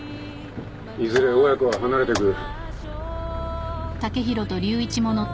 いずれ親子は離れていく。